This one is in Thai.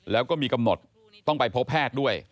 แล้วก็มีกำหนดต้องไปพบแพทย์ด้วย